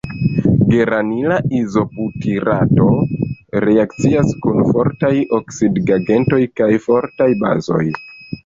Geranila izobutirato reakcias kun fortaj oksidigagentoj kaj fortaj bazoj.